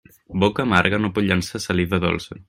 Boca amarga no pot llançar saliva dolça.